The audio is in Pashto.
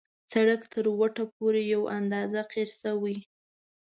سړک تر وټه پورې یو اندازه قیر شوی.